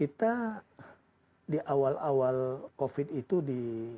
kita di awal awal covid itu di